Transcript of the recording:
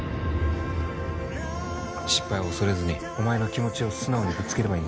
失敗を恐れずにお前の気持ちを素直にぶつければいいんだよ。